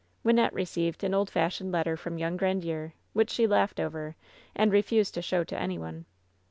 Wjmnette received an old fashioned letter from young Grandiere, which she laughed over and refused to show to any one.